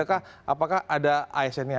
apakah ada asn nya